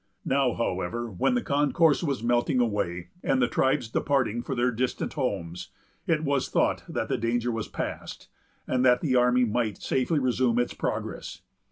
Now, however, when the concourse was melting away, and the tribes departing for their distant homes, it was thought that the danger was past, and that the army might safely resume its progress.